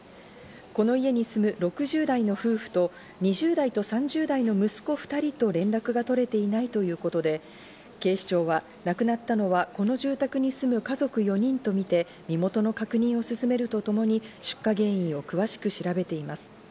この家に住む６０代の夫婦と２０代と３０代の息子２人と連絡が取れていないということで警視庁は亡くなったのはこの住宅に住む家族４人とみて、身元の確認を進めるとともに出火原因を詳しく調べています。